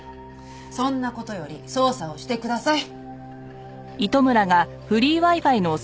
そんな事より捜査をしてください。